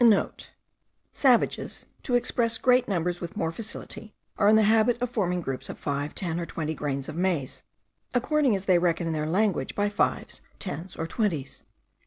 *(* Savages, to express great numbers with more facility, are in the habit of forming groups of five, ten, or twenty grains of maize, according as they reckon in their language by fives, tens, or twenties.)